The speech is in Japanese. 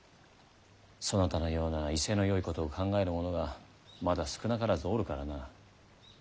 そなたのような威勢のよいことを考えるものがまだ少なからずおるからな。